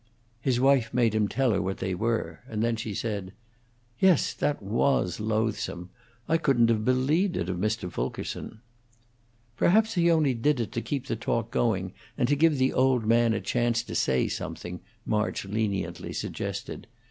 His wife made him tell her what they were, and then she said, "Yes, that was loathsome; I couldn't have believed it of Mr. Fulkerson." "Perhaps he only did it to keep the talk going, and to give the old man a chance to say something," March leniently suggested.